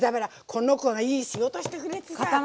この子がいい仕事してくれてさ。